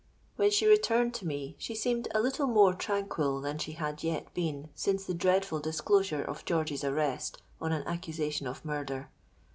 When she returned to me, she seemed a little more tranquil than she had yet been since the dreadful disclosure of George's arrest on an accusation of murder.